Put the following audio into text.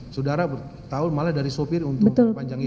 saudara tahu malah dari sopir untuk panjang itu ya